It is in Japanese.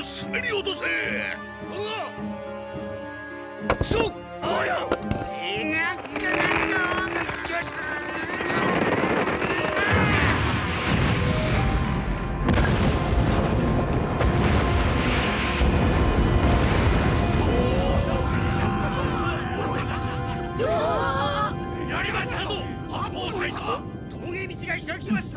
とうげ道が開きました！